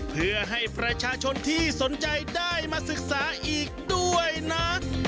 เพื่อให้ประชาชนที่สนใจได้มาศึกษาอีกด้วยนะ